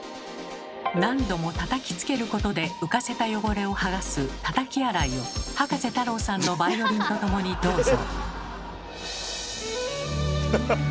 何度もたたきつけることで浮かせた汚れをはがすたたき洗いを葉加瀬太郎さんのバイオリンとともにどうぞ。